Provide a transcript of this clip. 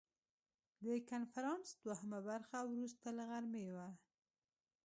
د کنفرانس دوهمه برخه وروسته له غرمې وه.